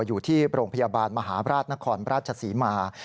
อยู่ที่โรงพยาบาลมหาราชนครราชศรีมา